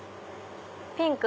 ピンク！